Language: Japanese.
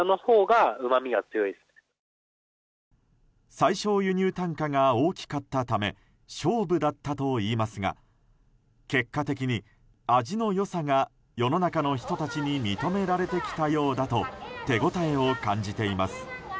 最小輸入単価が大きかったため勝負だったといいますが結果的に、味の良さが世の中の人たちに認められてきたようだと手応えを感じています。